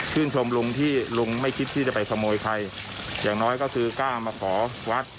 ชมลุงที่ลุงไม่คิดที่จะไปขโมยใครอย่างน้อยก็คือกล้ามาขอวัด